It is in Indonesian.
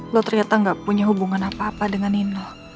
kamu ternyata tidak punya hubungan apa apa dengan nino